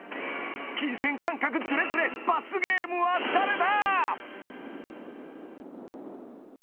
金銭感覚ズレズレ罰ゲームは誰だ？